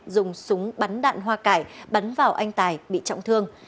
dùng súng bắn đạn hoa cải bắn vào anh tài bị trọng thương